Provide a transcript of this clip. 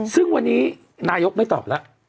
ซึ่งวันนี้นายกไม่ตอบแล้ว